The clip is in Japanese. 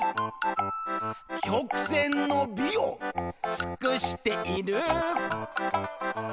「曲線の美を尽している」